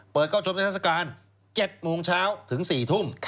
เข้าชมนิทัศกาล๗โมงเช้าถึง๔ทุ่ม